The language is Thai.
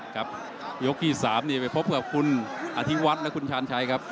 ครับยกที่๓ไปพบกับคุณอธิวัฒน์และคุณชาญชัยครับ